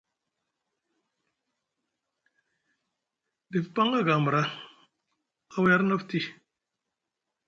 Dif paŋ aga a mra, a waya arni afti.